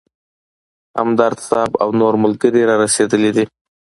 همدرد صیب او نور ملګري رارسېدلي وو.